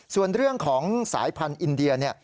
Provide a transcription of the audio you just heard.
ส่วนเรื่องของสายพันธุ์อินเดีย